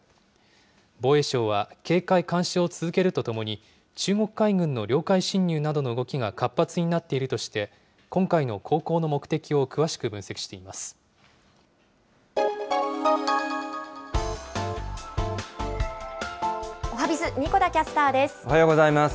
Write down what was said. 防衛省は警戒・監視を続けるとともに、中国海軍の領海侵入などの動きが活発になっているとして、今回の航行の目的を詳しく分析しおはＢｉｚ、神子田キャスタおはようございます。